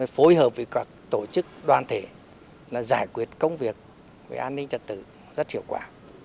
phối hợp với các tổ chức đoàn thể giải quyết công việc về an ninh trật tự rất hiệu quả